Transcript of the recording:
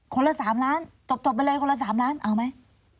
ละ๓ล้านจบไปเลยคนละ๓ล้านเอาไหม